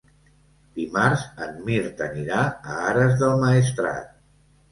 Dimarts en Mirt anirà a Ares del Maestrat.